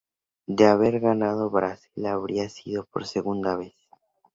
De haber ganado Brasil habría sido por segunda vez.